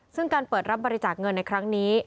ซึ่งการเปิดรับบริจาคเงินในครั้งนี้